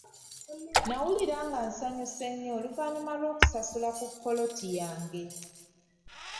Nawulira nga nkyamuse nnyo oluvannyuma lw'okusasula ku ppoloti yange.